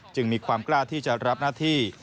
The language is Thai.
มีความกล้าที่จะรับหน้าที่